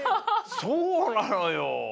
そうなのよ！